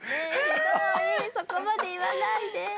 そこまで言わないで。